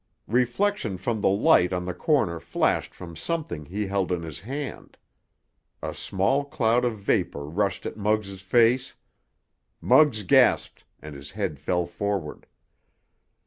Reflection from the light on the corner flashed from something he held in his hand. A small cloud of vapor rushed at Muggs' face. Muggs gasped, and his head fell forward.